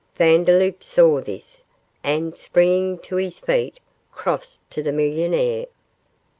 Vandeloup saw this, and, springing to his feet, crossed to the millionaire.